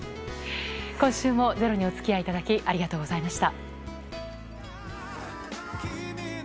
今週もｚｅｒｏにおつきあいいただき、ありがとうございました。